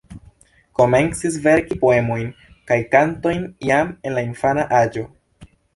Komencis verki poemojn kaj kantojn jam en infana aĝo.